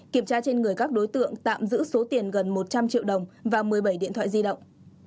kiểm tra trên người các đối tượng tạm giữ số tiền gần một trăm linh triệu đồng và một mươi bảy điện thoại di động